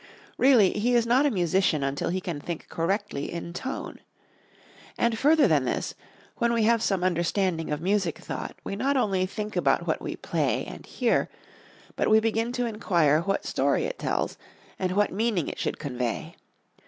Really, he is not a musician until he can think correctly in tone. And further than this, when we have some understanding of music thought we not only think about what we play and hear, but we begin to inquire what story it tells and what meaning it should convey.